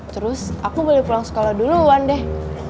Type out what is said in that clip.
terus aku boleh pulang sekolah duluan deh